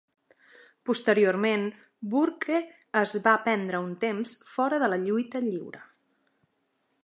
Posteriorment Burke es va prendre un temps fora de la lluita lliure.